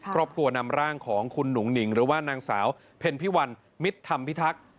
ครอบครัวนำร่างของคุณหนุ่งหนิงหรือว่านางสาวเพ็ญพิวัลมิตรธรรมพิทักษ์